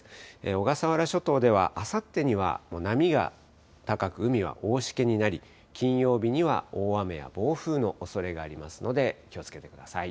小笠原諸島ではあさってには波が高く、海は大しけになり、金曜日には大雨や暴風のおそれがありますので、気をつけてください。